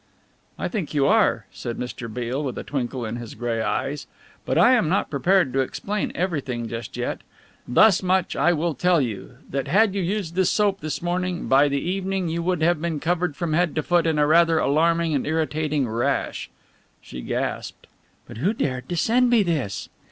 "I think you are," said Mr. Beale, with a twinkle in his grey eyes, "but I am not prepared to explain everything just yet. Thus much I will tell you, that had you used this soap this morning, by the evening you would have been covered from head to foot in a rather alarming and irritating rash." She gasped. "But who dared to send me this?"